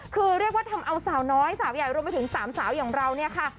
คือเรียกว่าทำเอาสาวน้อยสาวใหญ่รวมไปถึงสามสาวอย่างเราเนี่ยค่ะ